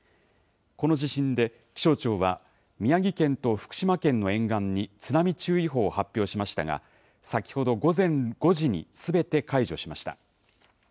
この地震で気象庁は宮城県と福島県の沿岸に津波注意報を発表しましたが先ほど午前５時にすべて解除しました。